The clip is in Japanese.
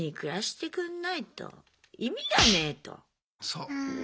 そう。